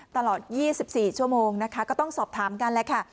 ตลอดยี่สิบสี่ชั่วโมงนะคะก็ต้องสอบถามกันแล้วค่ะ